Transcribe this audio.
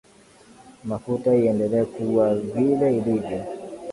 mafuta iendelee kuwa vile ilivyo